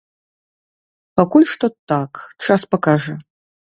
Пакуль што так, час пакажа.